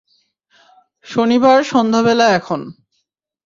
শনিবার সন্ধ্যাবেলা এখন।